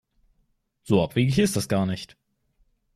So abwegig ist das gar nicht.